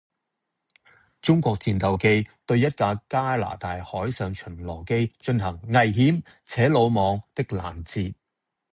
中國戰鬥機對一架加拿大海上巡邏機進行「危險且魯莽」的攔截